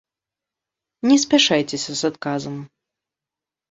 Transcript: Не спяшайцеся з адказам.